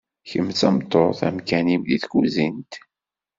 kemm d tameṭṭut amkan-im deg tkuzint.